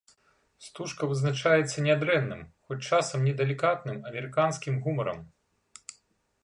Стужка вызначаецца нядрэнным, хоць часам недалікатным амерыканскім гумарам.